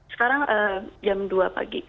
sekarang jam dua pagi